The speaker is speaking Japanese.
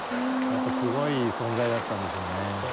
またすごい存在だったんでしょうね。